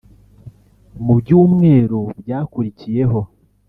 Mu byumweru byakurikiyeho